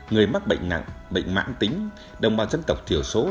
người mắc bệnh nặng bệnh mãn tính đồng bào dân tộc thiểu số